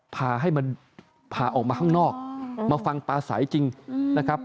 พาให้มันพาออกมาข้างนอกมาฟังปลาใสจริงนะครับ